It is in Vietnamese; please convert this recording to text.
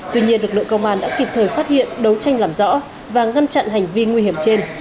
tuy nhiên lực lượng công an đã kịp thời phát hiện đấu tranh làm rõ và ngăn chặn hành vi nguy hiểm trên